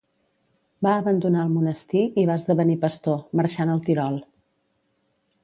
Va abandonar el monestir i va esdevenir pastor, marxant al Tirol.